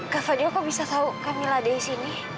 kau bisa tahu kamil ada di sini